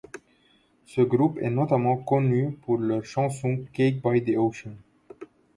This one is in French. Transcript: Ce groupe est notamment connu pour leur chanson Cake by the ocean.